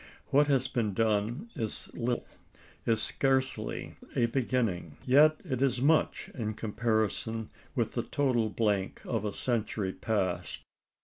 What has been done is little is scarcely a beginning; yet it is much in comparison with the total blank of a century past.